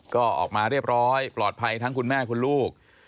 ก็ออกมาเรียบร้อยปลอดภัยทั้งคุณแม่คุณลูก